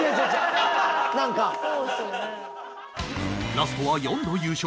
ラストは４度優勝